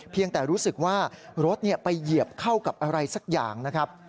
แต่รู้สึกว่ารถไปเหยียบเข้ากับอะไรสักอย่างนะครับ